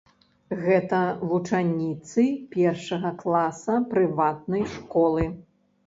Гэта вучаніцы першага класа прыватнай школы.